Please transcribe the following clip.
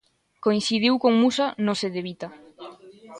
Coincidiu con Musa no Cedevita.